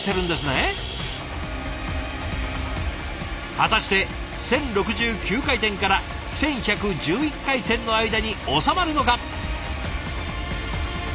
果たして１，０６９回転から１，１１１回転の間におさまるのか？